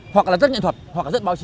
hoặc là rất nghệ thuật hoặc là rất báo chí